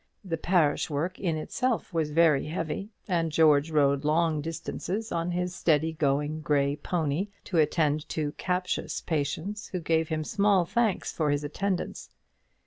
The parish work in itself was very heavy, and George rode long distances on his steady going grey pony to attend to captious patients, who gave him small thanks for his attendance.